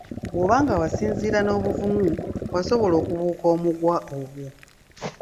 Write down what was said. Bwoba nga wasinziira n'obuvumu wasobola okubuuka omuguwa ogwo.